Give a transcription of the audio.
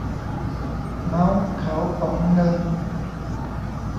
เมาส์เขาป๋องนึง